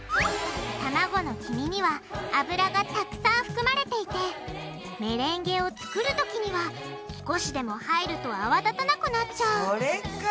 たまごの黄身には油がたくさん含まれていてメレンゲを作るときには少しでも入ると泡立たなくなっちゃうそれか！